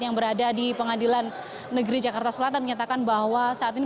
yang berada di pengadilan negeri jakarta selatan menyatakan bahwa saat ini